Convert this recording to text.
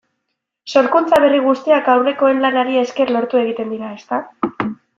Sorkuntza berri guztiak aurrekoen lanari esker lortu egiten dira, ezta?